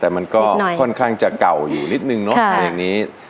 แต่มันก็ค่อนข้างจะเก่าอยู่นิดหนึ่งเนอะ